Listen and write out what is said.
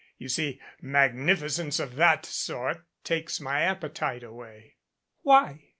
You see, magnificence of that sort takes my appetite away." "Why?"